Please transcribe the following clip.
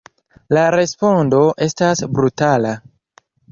La respondo estas brutala.